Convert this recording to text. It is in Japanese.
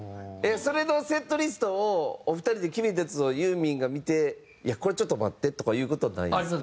それのセットリストをお二人で決めたやつをユーミンが見て「いやこれちょっと待って」とかいう事はないんですか？